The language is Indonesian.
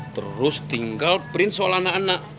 terus tinggal print soal anak anak